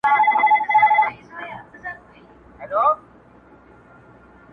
تل به دي نه دا هستي وي نه به دا سوکت او شان وي,